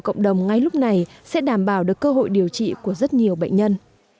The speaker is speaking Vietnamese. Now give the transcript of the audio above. cộng đồng ngay lúc này sẽ đảm bảo được cơ hội điều trị của rất nhiều bệnh nhân